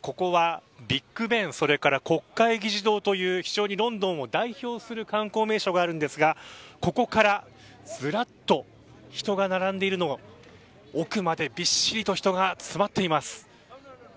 ここは、ビッグベンそれから、国会議事堂という非常にロンドンを代表する観光名所があるんですがここから、ずらっと人が並んでいるのを奥までびっしりと人が詰まっています。